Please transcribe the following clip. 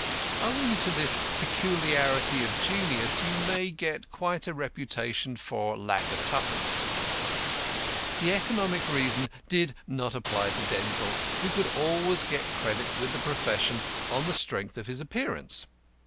Owing to this peculiarity of genius, you may get quite a reputation for lack of twopence. The economic reason did not apply to Denzil, who could always get credit with the profession on the strength of his appearance.